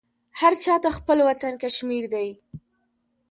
هرچاته خپل وطن کشمیردی